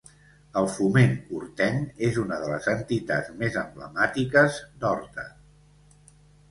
El Foment Hortenc és una de les entitats més emblemàtiques d'Horta.